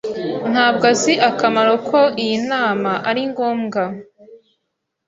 Ntabwo azi akamaro ko iyi nama ari ngombwa.